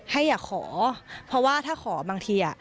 ให้อย่าขอเฟ้อว่าถ้าขอบางที